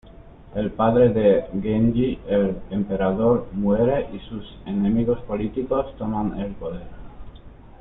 El padre de Genji, el Emperador, muere y sus enemigos políticos toman el poder.